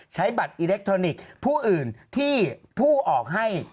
ใช้บัตรอิเล็กทรอนิกส์ผู้อื่นที่ผู้ออกให้